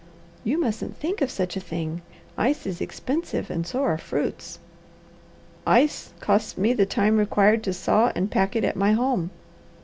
"You mustn't think of such a thing! Ice is expensive and so are fruits." "Ice costs me the time required to saw and pack it at my home.